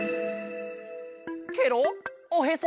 ケロッおへそ？